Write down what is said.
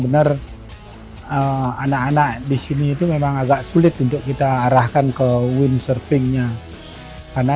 benar anak anak di sini itu memang agak sulit untuk kita arahkan ke wind surfingnya karena